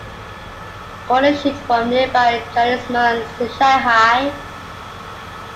Coal is shipped from nearby Chinese mines to Shanghai.